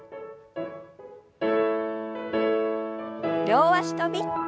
両脚跳び。